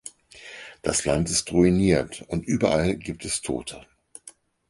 Das Land ist ruiniert und überall gibt es Tote.